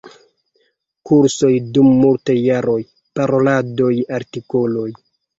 Kursoj dum multaj jaroj, paroladoj, artikoloj.